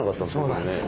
これね。